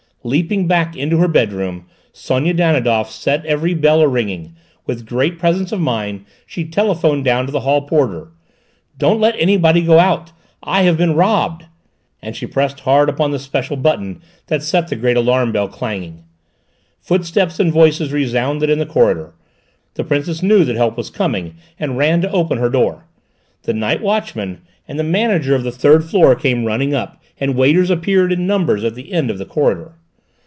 Leaping back into her bedroom Sonia Danidoff set every bell a ringing; with great presence of mind she telephoned down to the hall porter: "Don't let anybody go out! I have been robbed!" and she pressed hard upon the special button that set the great alarm bell clanging. Footsteps and voices resounded in the corridor: the Princess knew that help was coming and ran to open her door. The night watchman, and the manager of the third floor came running up and waiters appeared in numbers at the end of the corridor.